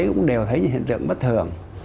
cũng đều thấy những hiện tượng bất thường